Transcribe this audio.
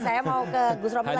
saya mau ke gus romit lagi